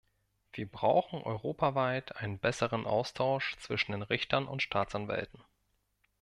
Wir brauchen europaweit einen besseren Austausch zwischen den Richtern und Staatsanwälten.